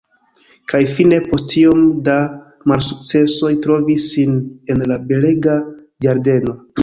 Kaj fine post tiom da malsukcesoj trovis sin en la belega ĝardeno.